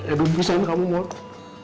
edun bisain kamu mau